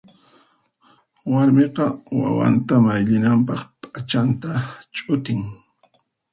Warmiqa wawanta mayllinanpaq p'achanta ch'utin.